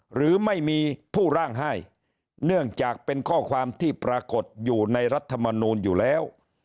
หรือไม่มีผู้ร่างให้เนื่องจากเป็นข้อความที่ปรากฏอยู่ในรัฐมนูลอยู่แล้ว